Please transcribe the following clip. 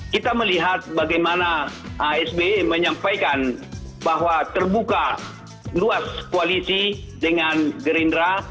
kita melihat bagaimana asb menyampaikan bahwa terbuka luas koalisi dengan gerindra